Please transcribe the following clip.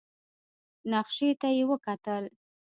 نخشې ته يې وکتل.